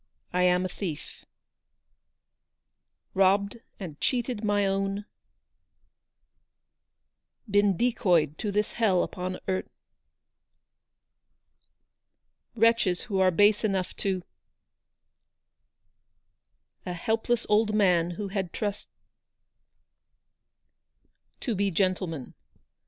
I am a thief robbed and cheated my own been decoyed to this hell upon eart wretches who are base enough to a helpless old man who had trust to be gentlemen.